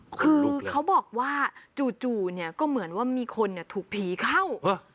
คือเขาบอกว่าจู่เนี่ยก็เหมือนว่ามีคนถูกผีเข้า